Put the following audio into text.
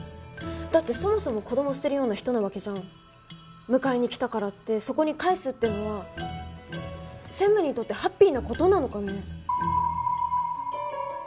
だってそもそも子供捨てるような人なわけじゃん迎えに来たからってそこに返すってのは専務にとってハッピーなことなのかね？